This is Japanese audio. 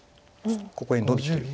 ここへノビていく。